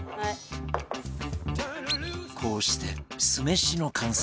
こうして酢飯の完成